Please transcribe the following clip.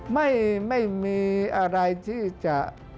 ไม่มีอะไรที่จะ